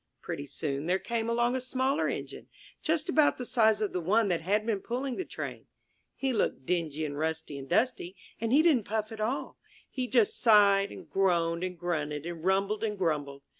Pretty soon there came along a smaller Engine, just about the size of the one that had been pulling the Train. He looked dingy and rusty and dusty, and he didn't puff at all. He just sighed, and groaned, and grunted, and rumbled, and grumbled!